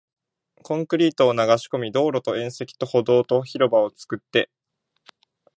コンクリートを流し込み、道路と縁石と歩道と広場を作って